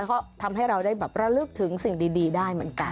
ก็ทำให้เราได้แบบระลึกถึงสิ่งดีได้เหมือนกัน